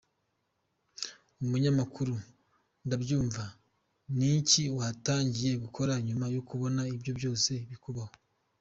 Umunyamakuru: Ndabyumva; ni iki watangiye gukora nyuma yo kubona ibyo byose bikubaho?.